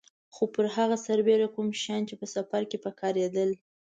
خو پر هغه سربېره کوم شیان چې په سفر کې په کارېدل.